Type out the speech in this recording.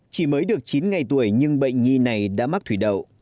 chỉ mới được chín ngày tuổi nhưng bệnh nhi này đã mắc thủy đậu